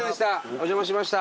お邪魔しました。